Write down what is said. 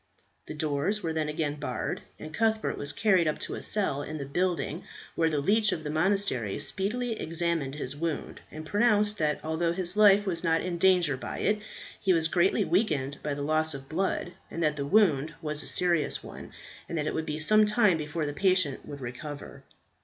The doors were then again barred, and Cuthbert was carried up to a cell in the building, where the leech of the monastery speedily examined his wound, and pronounced, that although his life was not in danger by it, he was greatly weakened by the loss of blood, that the wound was a serious one, and that it would be some time before the patient would recover.